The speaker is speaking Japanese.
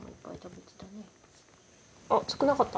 あっ少なかった？